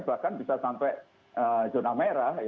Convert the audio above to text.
bahkan bisa sampai zona merah